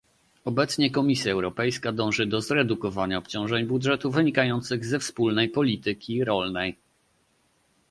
Obecnie Komisja Europejska dąży do zredukowania obciążeń budżetu wynikających ze wspólnej polityki rolnej